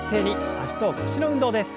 脚と腰の運動です。